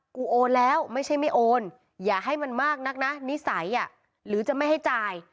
โอนแล้วไม่ใช่ไม่โอนอย่าให้มันมากนักนะนิสัยหรือจะไม่ให้จ่าย